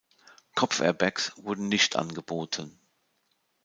Kopfairbags wurden nicht angeboten.